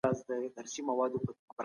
قاتل باید خامخا قصاص سي.